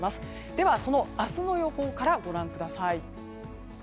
では、その明日の予報からご覧ください。